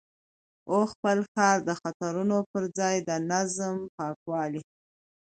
او خپل ښار د خطرونو پر ځای د نظم، پاکوالي